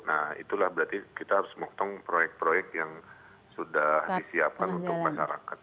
nah itulah berarti kita harus motong proyek proyek yang sudah disiapkan untuk masyarakat